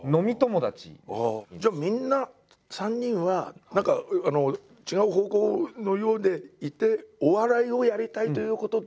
じゃあみんな３人は違う方向のようでいてお笑いをやりたいということだけが共通であって。